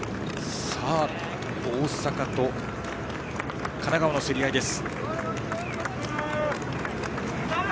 大阪と神奈川の競り合いです。